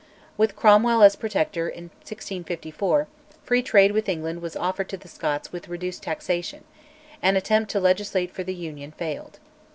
With Cromwell as protector in 1654, Free Trade with England was offered to the Scots with reduced taxation: an attempt to legislate for the Union failed.